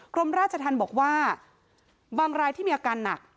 กรมราชธรรมบอกว่าบางรายที่มีอาการหนัก